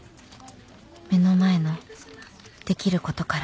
目の前のできることから